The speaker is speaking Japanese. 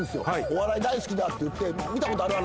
「お笑い大好きだ」って言って「見たことある？